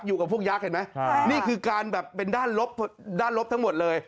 อยู่กับพวกยักษ์เห็นไหมนี่คือการแบบเป็นด้านลบด้านลบทั้งหมดเลย